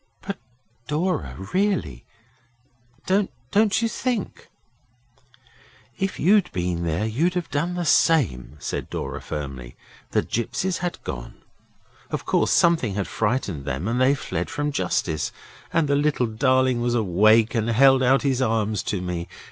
'But, Dora really, don't you think ' 'If you'd been there you'd have done the same,' said Dora firmly. 'The gipsies had gone. Of course something had frightened them and they fled from justice. And the little darling was awake and held out his arms to me.